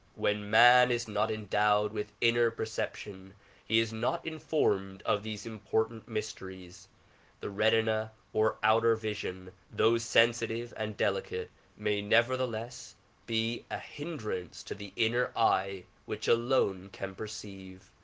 When man is not endowed with inner perception he is not informed of these important mysteries. The retina of outer vision though sensitive and delicate may nevertheless be a hindrance to the inner eye which alone can perceive.